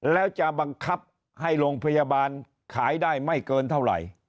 แล้วจะบังคับให้โรงพยาบาลขายได้ไม่เกินเท่าไหร่